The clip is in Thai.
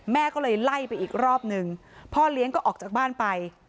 แม่ก็เลยไล่ไปอีกรอบนึงพ่อเลี้ยงก็ออกจากบ้านไป